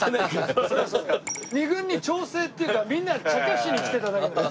２軍に調整っていうかみんなをちゃかしに来てただけだから。